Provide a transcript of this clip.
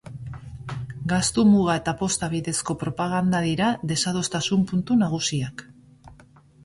Gastu muga eta posta bidezko propaganda dira desadostasun puntu nagusiak.